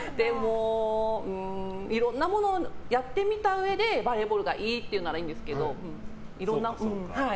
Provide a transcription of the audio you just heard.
いろんなものをやったうえでバレーボールがいいっていうならいいんですけど。